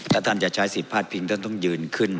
ถ้าท่านจะใช้ศิษฐ์ภาษาพิงศ์ท่านต้องยืนขึ้น